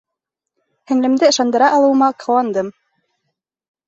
Һеңлемде ышандыра алыуыма ҡыуандым.